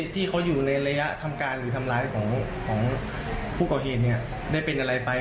ที่เขาอยู่ในระยะทำการหรือทำร้ายของผู้ก่อเหตุได้เป็นอะไรไป